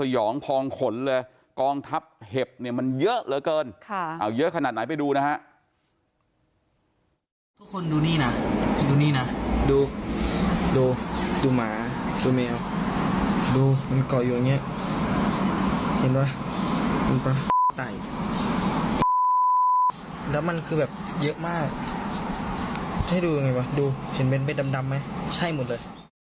เห็นไหมดูป่ะไตแล้วมันคือแบบเยอะมากให้ดูยังไงป่ะดูเห็นเบ็ดดำไหมใช่หมดเลย